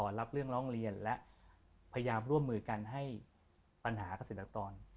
รับเรื่องร้องเรียนและพยายามร่วมมือกันให้ปัญหาเกษตรกร